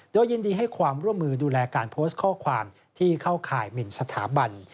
โดยยินดีให้ความร่วมมือดูแลการโพสต์ข้อความที่เข้าข่ายหมินสถาบัน